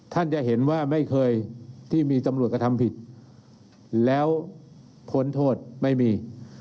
ท่านจะเห็นว่าไม่เคยที่มีตำรวจกระทำผิดแล้วพ้นโทษไม่มี